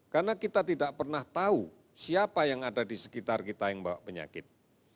karena kita tidak pernah tahu siapa yang ada di sekitar kita yang bawa penyakit